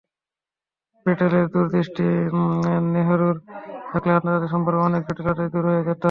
প্যাটেলের দূরদৃষ্টি নেহরুর থাকলে আন্তর্জাতিক সম্পর্কের অনেক জটিলতাই দূর হয়ে যেত।